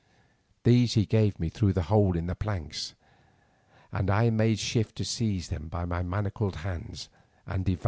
These he gave me through the hole in the planks, and I made shift to seize them in my manacled hands and devoured them.